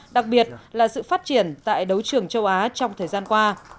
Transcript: đặc biệt là sự phát triển tại đấu trường châu á trong thời gian qua